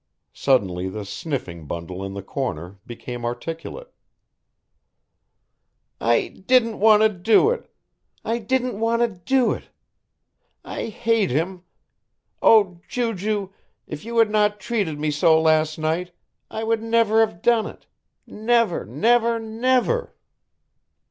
Suddenly the sniffing bundle in the corner became articulate. "I didn't want to do it, I didn't want to do it I hate him oh, Ju Ju, if you had not treated me so last night, I would never have done it, never, never, never."